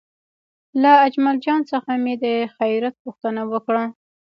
له اجمل جان څخه مې د خیریت پوښتنه وکړه.